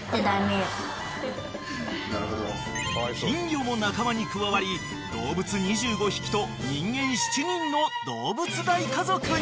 ［金魚も仲間に加わり動物２５匹と人間７人のどうぶつ大家族に］